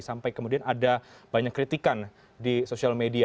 sampai kemudian ada banyak kritikan di sosial media